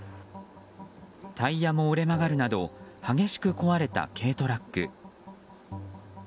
タイヤも折れ曲がるなど激しく壊れた軽トラック。